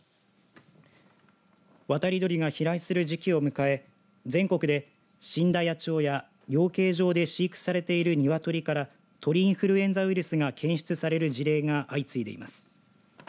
渡り鳥が飛来する時期を迎え全国で死んだ野鳥や養鶏場で飼育されている鶏から鳥インフルエンザウイルスが検出される事例が相次いでいます。